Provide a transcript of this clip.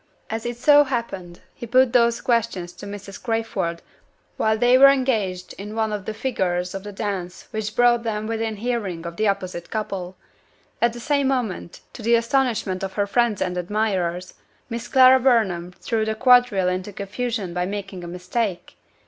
As it so happened, he put those questions to Mrs. Crayford while they were engaged in one of the figures of the dance which brought them within hearing of the opposite couple. At the same moment to the astonishment of her friends and admirers Miss Clara Burnham threw the quadrille into confusion by making a mistake!